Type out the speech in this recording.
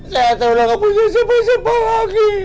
saya udah gak punya siapa siapa lagi